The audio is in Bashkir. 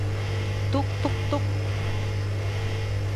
«Туҡ-туҡ-туҡ!..»